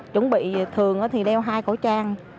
chuẩn bị thường thì đeo hai khẩu trang